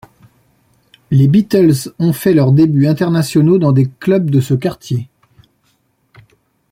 Les Beatles ont fait leurs débuts internationaux dans des clubs de ce quartier.